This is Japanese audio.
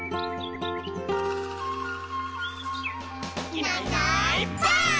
「いないいないばあっ！」